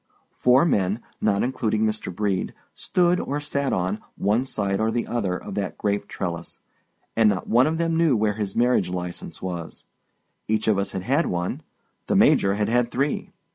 Four men, not including Mr. Brede, stood or sat on one side or the other of that grape trellis, and not one of them knew where his marriage license was. Each of us had had one—the Major had had three.